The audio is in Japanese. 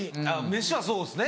飯はそうですね